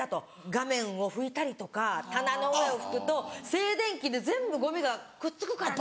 画面を拭いたりとか棚の上を拭くと静電気で全部ゴミがくっつくからって。